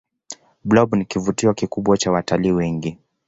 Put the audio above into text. blob ni kivutio kikubwa kwa watalii wengi